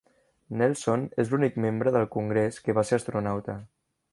Nelson és l'únic membre del congrés que va ser astronauta.